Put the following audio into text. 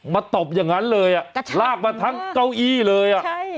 มาตกอย่างงั้นเลยลากมาทั้งเก้าอี้เลย